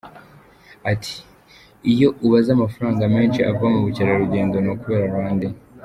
Ati” Iyo ubaze amafaranga menshi ava mu bukerarugendo, ni ukubera RwandAir.